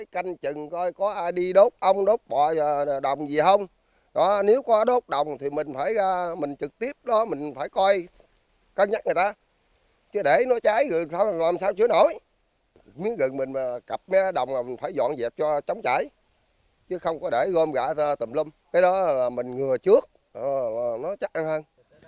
chứ để nó cháy rừng làm sao chữa nổi miếng rừng mình cặp mấy đồng phải dọn dẹp cho chống cháy chứ không có để gom gã ra tầm lâm cái đó là mình ngừa trước nó chắc ăn hơn